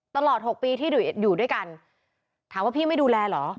หกปีที่อยู่ด้วยกันถามว่าพี่ไม่ดูแลเหรอ